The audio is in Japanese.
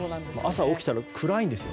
朝起きたら暗いんですよ。